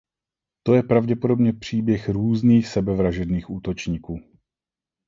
To je pravděpodobně příběh různých sebevražedných útočníků.